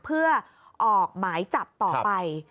เพื่อออกหมายจับต่อไป